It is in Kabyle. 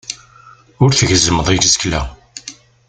Ur tgezzmeḍ isekla.